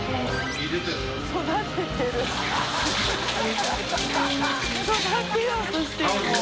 育てようとしてるもう。